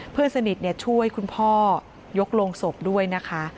เพื่อนสนิทช่วยคุณพ่อยกโรงศพด้วยนะคะ